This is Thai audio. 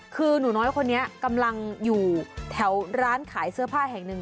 คือหนูน้อยคนนี้กำลังอยู่แถวร้านขายเสื้อผ้าแห่งหนึ่ง